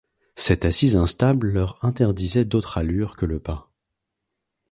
Cette assise instable leur interdisait d'autre allure que le pas.